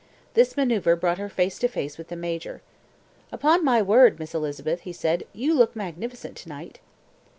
This manoeuvre brought her face to face with the Major. "Upon my word, Miss Elizabeth," he said, "you look magnificent to night."